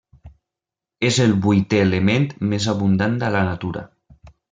És el vuitè element més abundant a la natura.